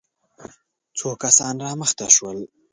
څو کسان را مخته شول.